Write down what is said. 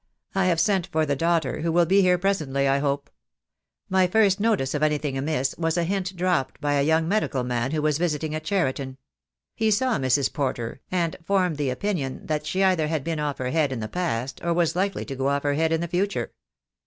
I have sent for the daughter, who will be here presently, I hope. My first notice of anything amiss was a hint dropped by a young medical man who was visiting at Cheriton. He saw Mrs. Porter, and fonrfed the opinion that she either had been off her head in the past, or was likely to go off her head in the future.